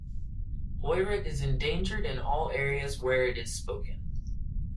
Oirat is endangered in all areas where it is spoken.